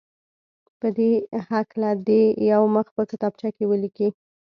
په دې هکله دې یو مخ په کتابچه کې ولیکي.